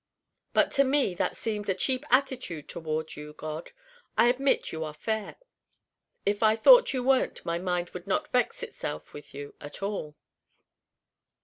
But to me that seems a cheap attitude toward you, God. I admit you are fair. If I thought you weren't my mind would not vex itself with you at all.